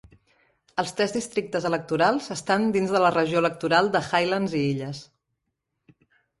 Els tres districtes electorals estan dins de la regió electoral de Highlands i Illes.